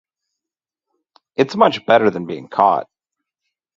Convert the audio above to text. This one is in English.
It's much better than being caught.